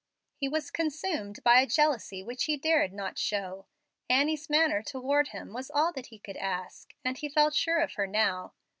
He was consumed by a jealousy which he dared not show. Annie's manner toward him was all that he could ask, and he felt sure of her now.